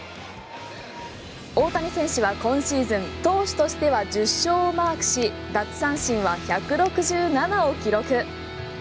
大谷選手は今シーズン投手としては１０勝をマークし奪三振は１６７を記録。